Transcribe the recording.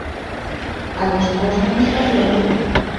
Але ж кожнаму сваё.